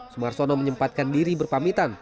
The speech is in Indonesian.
sumarsono menyempatkan diri berpamitan